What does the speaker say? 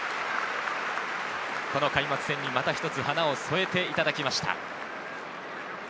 この開幕戦にまた一つ華を添えていただきました。